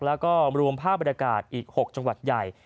แล้วก็รวมภาพบรรยากาศอีก๖จังหวัดใหญ่